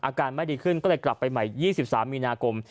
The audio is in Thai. อาการไม่ดีขึ้นก็เลยกลับไปใหม่๒๓มีนาคม